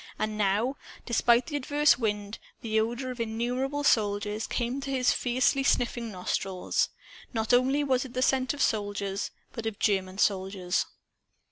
And now, despite the adverse wind, the odor of innumerable soldiers came to his fiercely sniffing nostrils. Not only was it the scent of soldiers, but of German soldiers.